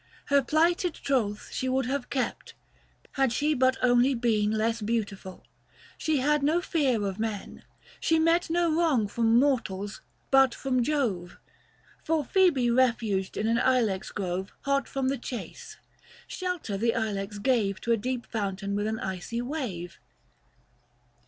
Her plighted troth 160 She would have kept, had she but only been Less beautiful ;— she had no fear of men, She met no wrong from mortals, but from Jove ! For Phoebe refuged in an ilex grove, Hot from the chase ; shelter the ilex gave 165 To a deep fountain with an icy wave.